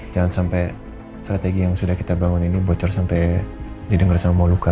jangan sampai strategi yang sudah kita bangun ini bocor sampai didengar sama moluka